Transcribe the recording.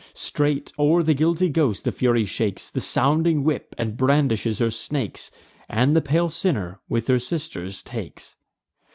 Straight, o'er the guilty ghost, the Fury shakes The sounding whip and brandishes her snakes, And the pale sinner, with her sisters, takes.